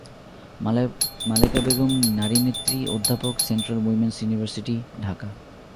মালেকা বেগম নারী নেত্রী, অধ্যাপক, সেন্ট্রাল উইমেন্স ইউনিভার্সিটি, ঢাকা।